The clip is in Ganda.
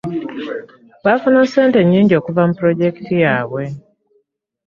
Bafuna ssente nnyingi okuva mu pulojekiti yabwe.